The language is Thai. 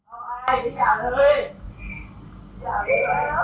เอาไปอิ่งแก้ด้วย